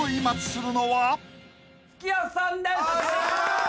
すき家さんです！